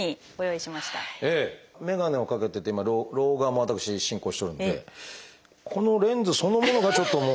メガネをかけてて今老眼も私進行してるのでこのレンズそのものがちょっともう。